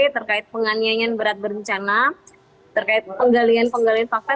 terkait penganiayaan berat berencana terkait penggalian penggalian fakta